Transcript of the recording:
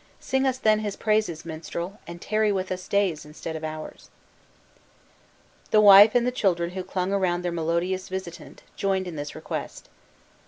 Sing us then his praises, minstrel, and tarry with us days instead of hours." The wife, and the children who clung around their melodious visitant, joined in this request.